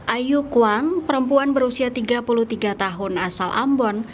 ayu kwan perempuan berusia tiga puluh tiga tahun asal ambon